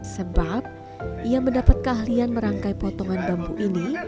sebab ia mendapat keahlian merangkai potongan bambu ini